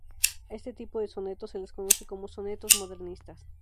A este tipo de sonetos se los conoce como sonetos modernistas.